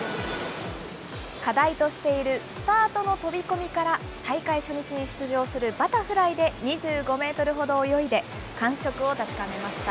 課題としているスタートの飛び込みから、大会初日に出場するバタフライで２５メートルほど泳いで、感触を確かめました。